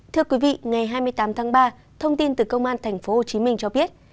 thưa quý vị ngày hai mươi tám tháng ba thông tin từ công an tp hcm cho biết